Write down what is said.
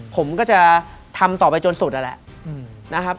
ผมก็จะทำต่อไปจนสุดนั่นแหละนะครับ